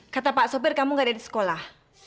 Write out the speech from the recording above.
kata pak sopir kamu gak ada di sekolah